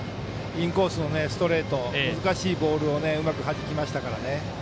インコースのストレート難しいボールをうまくはじきましたからね。